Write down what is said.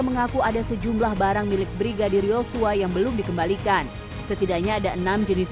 mengaku ada sejumlah barang milik brigadir yosua yang belum dikembalikan setidaknya ada enam jenis